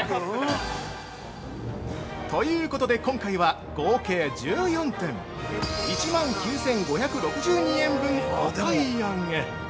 ◆ということで、今回は合計１４点１万９５６２円分、お買い上げ。